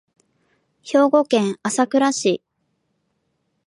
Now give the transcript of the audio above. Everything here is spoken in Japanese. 兵庫県朝来市